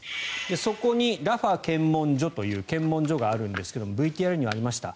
そこにラファ検問所という検問所があるんですがＶＴＲにもありました